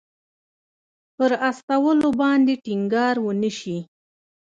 پر استولو باندې ټینګار ونه شي.